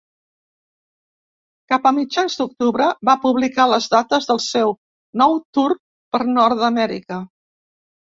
Cap a mitjans d'octubre, va publicar les dates del seu nou Tour per Nord-amèrica.